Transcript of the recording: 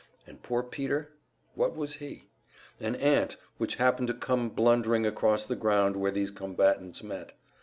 And poor Peter what was he? An ant which happened to come blundering across the ground where these combatants met.